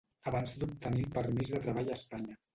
Abans d'obtenir el permís de treball a Espanya.